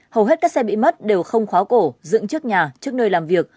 hầu hết các xe bị mất đều không khóa cổ dựng trước nhà trước nơi làm việc